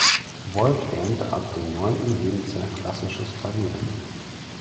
Wolf lernte ab dem neunten Lebensjahr klassisches Klavier.